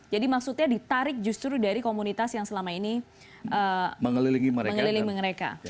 jadi maksudnya ditarik justru dari komunitas yang selama ini mengelilingi mereka